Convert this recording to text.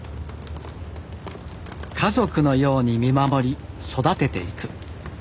家族のように見守り育てていく。